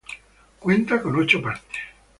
Cuenta con ocho partes.